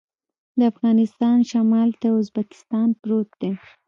د افغانستان شمال ته ازبکستان پروت دی